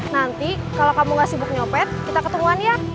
nanti kalau kamu gak sibuk nyopet kita ketemuan ya